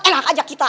engak ajak kita